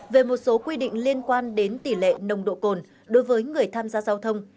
về một số quy định liên quan đến tỷ lệ nồng độ cồn đối với người tham gia giao thông